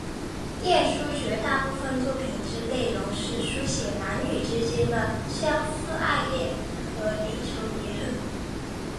晏殊绝大部分作品之内容是抒写男女之间的相思爱恋和离愁别恨。